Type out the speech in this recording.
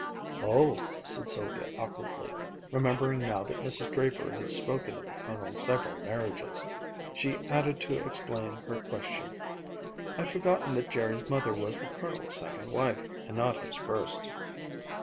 "Oh," said Sylvia awkwardly, remembering now that Mrs. Draper had spoken of the Colonel's several marriages. She added to explain her question, "I'd forgotten that Jerry's mother was the Colonel's second wife and not his first."